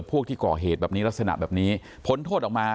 พวกที่ก่อเหตุแบบนี้ลักษณะแบบนี้ผลโทษออกมา